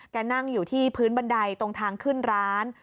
นั่งอยู่ที่พื้นบันไดตรงทางขึ้นร้าน